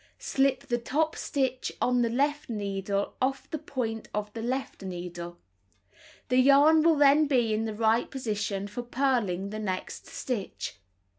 Slip the top stitch on the left needle off the point of the left needle. The yarn will then be in the right position for purling the next stitch.